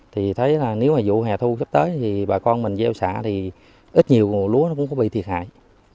thì thấy là nếu mà vụ hè thu sắp tới thì bà con mình gieo xả thì ít nhiều lúa cũng có bị thiệt hại